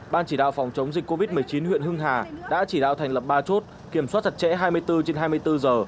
ban chỉ đạo phòng chống dịch covid một mươi chín huyện hưng hà đã chỉ đạo thành lập ba chốt kiểm soát chặt chẽ hai mươi bốn trên hai mươi bốn giờ